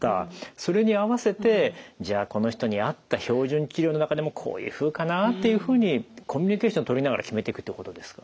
それに合わせてじゃあこの人に合った標準治療の中でもこういうふうかなっていうふうにコミュニケーション取りながら決めていくっていうことですか？